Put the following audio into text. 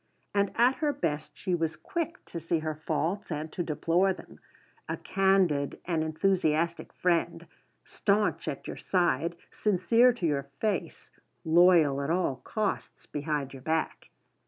And at her best she was quick to see her faults and to deplore them; a candid and enthusiastic friend; staunch at your side, sincere to your face, loyal at all costs behind your back.